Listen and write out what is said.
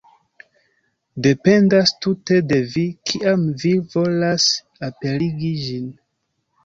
Dependas tute de vi, kiam vi volas aperigi ĝin.